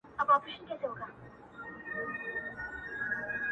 خدای دي رحم پر زاړه کفن کښ وکي؛